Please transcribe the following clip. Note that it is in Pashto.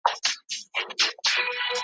شرنګ د بلبلو په نغمو کي د سیالۍ نه راځي